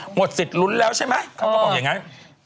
หมดสิทธิ์ลุ้นแล้วใช่ไหมเขาก็บอกอย่างนั้น